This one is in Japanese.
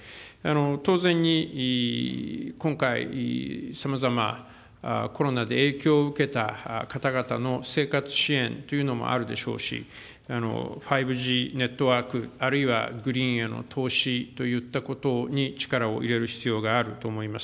当然に今回、さまざま、コロナで影響を受けた方々の生活支援というのもあるでしょうし、５Ｇネットワーク、あるいはグリーンへの投資といったことに力を入れる必要があると思います。